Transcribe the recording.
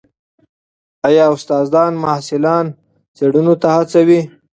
ایا استادان محصلان څېړنو ته هڅوي؟